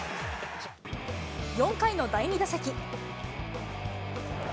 ４回の第２打席。